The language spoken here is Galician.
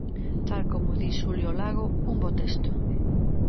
Tal como di Xulio Lago, un bo texto.